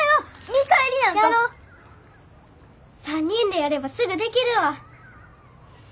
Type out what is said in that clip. ３人でやればすぐできるわ。